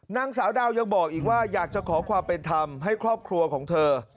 นางสาวดาวยังบอกอีกว่าอยากจะขอความเป็นธรรมให้ครอบครัวของเธอ